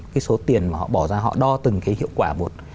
cái số tiền mà họ bỏ ra họ đo từng cái hiệu quả một